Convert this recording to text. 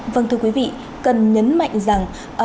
vâng thưa quý vị cần nhấn mạnh rằng